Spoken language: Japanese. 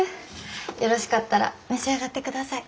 よろしかったら召し上がってください。